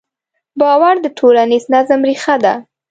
باور د ټولنیز نظم ریښه ده.